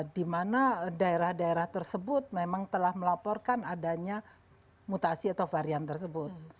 di mana daerah daerah tersebut memang telah melaporkan adanya mutasi atau varian tersebut